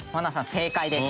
正解です。